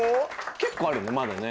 結構あるよねまだね。